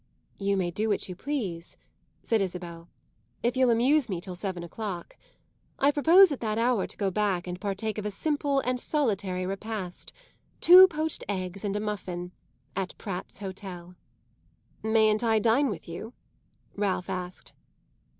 "You may do what you please," said Isabel, "if you'll amuse me till seven o'clock. I propose at that hour to go back and partake of a simple and solitary repast two poached eggs and a muffin at Pratt's Hotel." "Mayn't I dine with you?" Ralph asked.